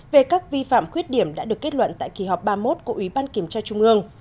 về các vi phạm khuyết điểm đã được kết luận tại kỳ họp ba mươi một của ủy ban kiểm tra trung ương